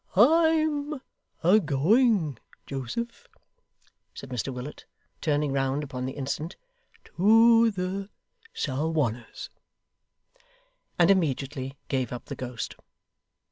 'I'm a going, Joseph,' said Mr Willet, turning round upon the instant, 'to the Salwanners' and immediately gave up the ghost.